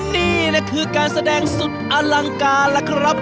นี่แหละคือการแสดงสุดอลังการล่ะครับ